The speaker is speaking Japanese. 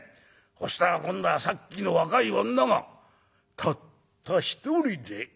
そしたら今度はさっきの若い女がたった一人で居やがんだよ」。